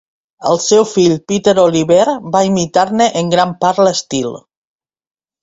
El seu fill Peter Oliver va imitar-ne en gran part l'estil.